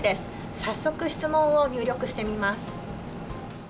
早速、質問を入力してみます。